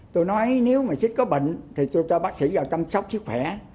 tôi nói nếu mà xích có bệnh thì tôi cho bác sĩ vào chăm sóc sức khỏe